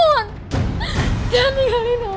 jangan tinggalin alma bu